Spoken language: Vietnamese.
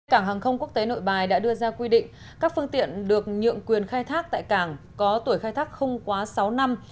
cảng hàng không quốc tế nội bài đã đưa ra quy định các phương tiện được nhượng quyền khai thác tại cảng có tuổi khai thác không quá sáu năm